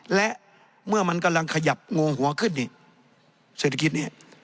และเมื่อมันกำลังขยับโงงหัวขึ้นนี่ศิษย์ศิษย์นี้